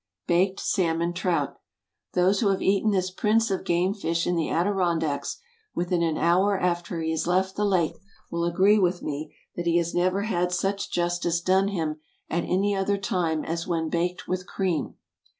BAKED SALMON TROUT. ✠ Those who have eaten this prince of game fish in the Adirondacks, within an hour after he has left the lake, will agree with me that he never has such justice done him at any other time as when baked with cream.